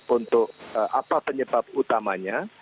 untuk apa penyebab utamanya